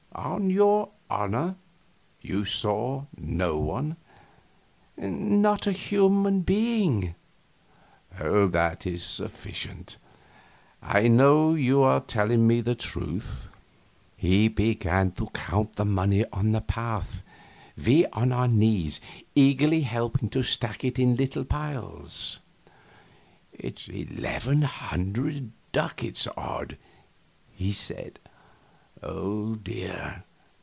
On your honor you saw no one?" "Not a human being." "That is sufficient; I know you are telling me the truth." He began to count the money on the path, we on our knees eagerly helping to stack it in little piles. "It's eleven hundred ducats odd!" he said. "Oh dear!